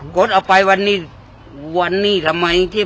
กดเอาไปวันนี้ทำไมจิ